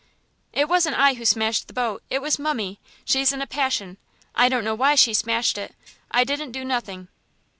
"It wasn't I who smashed the boat, it was mummie; she's in a passion. I don't know why she smashed it. I didn't do nothing."